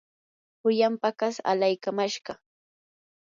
pullan paqas alaykamashqaa.